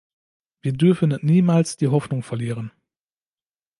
Wir dürfen niemals die Hoffnung verlieren.